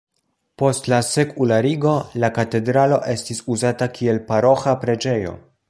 Post la sekularigo la katedralo estis uzata kiel paroĥa preĝejo.